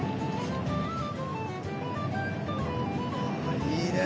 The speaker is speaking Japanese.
あいいね。